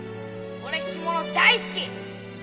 俺干物大好き！